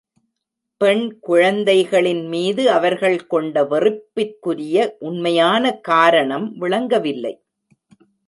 பெண் குழந்தைகளின் மீது அவர்கள் கொண்ட வெறுப்பிற்குரிய உண்மையான காரணம் விளங்கவில்லை.